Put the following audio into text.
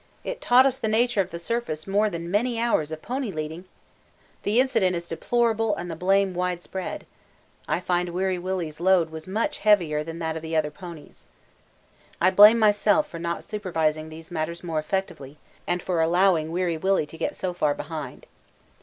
It taught us the nature of the surface more than many hours of pony leading!! The incident is deplorable and the blame widespread. I find W.W.'s load was much heavier than that of the other ponies. I blame myself for not supervising these matters more effectively and for allowing W.W. to get so far behind.